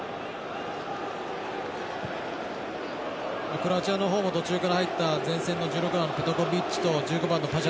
クロアチアのほうも途中から入った前線の１６番、ペトコビッチと１５番のパシャ